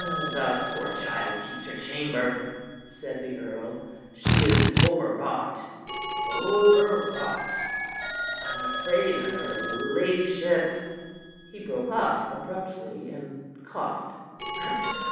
"The poor child keeps her chamber," said the earl. "She is overwrought overwrought! I am afraid her ladyship " He broke off abruptly, and coughed.